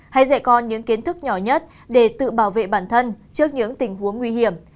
hãy dạy con những kiến thức nhỏ nhất để tự bảo vệ bản thân trước những tình huống nguy hiểm